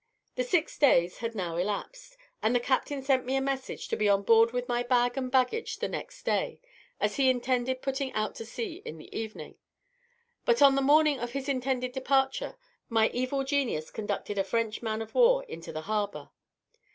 The six days had now elapsed, and the captain sent me a message to be on board with my bag and baggage the next day, as he intended putting out to sea in the evening; but on the morning of his intended departure, my evil genius conducted a French man of war into the harbour.